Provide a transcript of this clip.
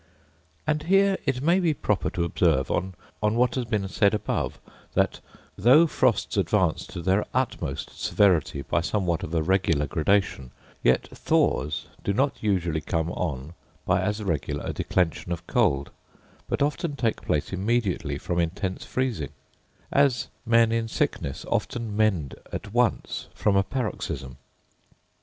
And here it may be proper to observe, on what has been said above, that though frosts advance to their utmost severity by somewhat of a regular gradation, yet thaws do not usually come on by as regular a declension of cold; but often take place immediately from intense freezing; as men in sickness often mend at once from a paroxysm.